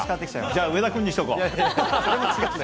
じゃあ、上田君にしておこう。